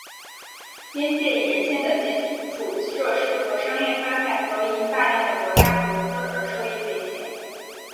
边界沿线的基础设施和商业发展都因大量的国家投资而受益匪浅。